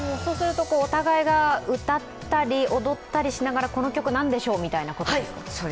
お互いが歌ったり踊ったりしながらこの曲なんでしょうみたいなことですか？